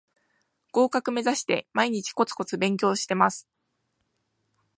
合格めざして毎日コツコツ勉強してます